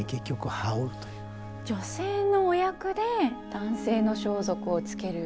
女性のお役で男性の装束をつける？